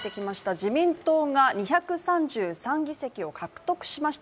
自民党が２３３議席を獲得しました。